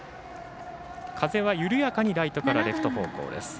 風は緩やかにライトからレフト方向です。